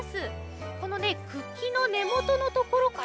このねくきのねもとのところからね